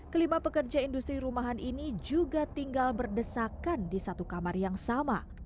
kelima pekerja industri rumahan ini juga tinggal berdesakan di satu kamar yang sama